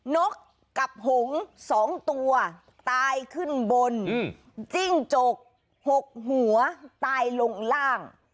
นกกับหง๒ตัวตายขึ้นบนจิ้งจก๖หัวตายลงล่าง